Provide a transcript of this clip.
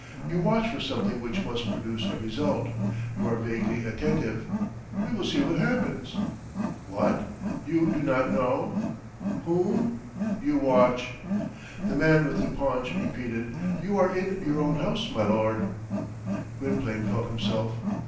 You watch for something which must produce a result. You are vaguely attentive. We will see what happens. What? You do not know. Whom? You watch. The man with the paunch repeated, "You are in your own house, my lord." Gwynplaine felt himself.